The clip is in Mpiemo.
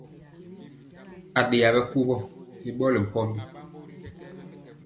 Aɗeya bikuwɔ i ɓɔli mpɔmbi.